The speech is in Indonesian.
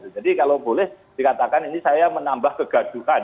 jadi kalau boleh dikatakan ini saya menambah kegaduhan